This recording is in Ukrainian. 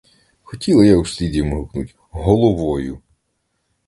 Хотіла я услід йому гукнуть: головою!